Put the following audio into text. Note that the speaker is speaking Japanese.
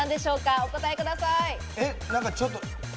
お答えください。